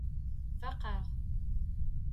Faqeɣ.